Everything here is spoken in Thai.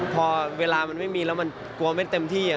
พอเวลามันไม่มีแล้วมันกลัวไม่เต็มที่